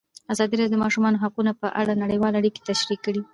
ازادي راډیو د د ماشومانو حقونه په اړه نړیوالې اړیکې تشریح کړي.